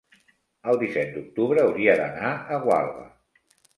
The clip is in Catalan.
el disset d'octubre hauria d'anar a Gualba.